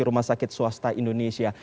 rumah sakit swasta indonesia